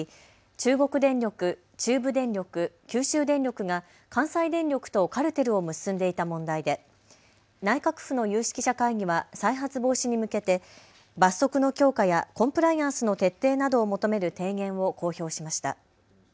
中国電力、中部電力、九州電力が関西電力とカルテルを結んでいた問題で内閣府の有識者会議は再発防止に向けて罰則の強化やコンプライアンスの徹底などを求める提言を公表しました。